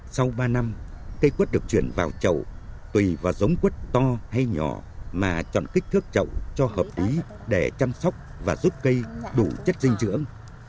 sau ba năm cây quất được chuyển vào chậu tùy vào giống quất to hay nhỏ mà chọn kích thước chậu cho hợp ý để chăm sóc và giúp cây đủ chất dinh dưỡng